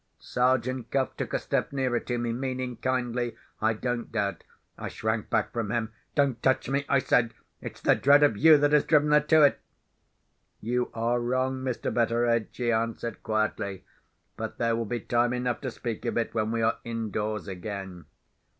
Sergeant Cuff took a step nearer to me—meaning kindly, I don't doubt. I shrank back from him. "Don't touch me," I said. "It's the dread of you, that has driven her to it." "You are wrong, Mr. Betteredge," he answered, quietly. "But there will be time enough to speak of it when we are indoors again."